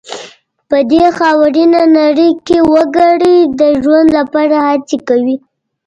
په دې خاورینه نړۍ کې وګړي د ژوند لپاره هڅې کوي.